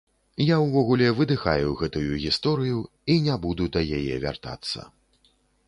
Я ўвогуле выдыхаю гэтую гісторыю і не буду да яе вяртацца.